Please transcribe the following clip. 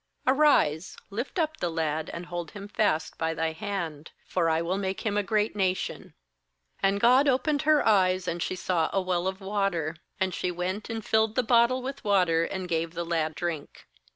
18Arise, lift up the lad, and hold him fast by thy hand; for I will make him a great nation.' 19And God opened her eyes, and she saw a well of water; and she went, and filled the bottle with water, and gave the lad drink.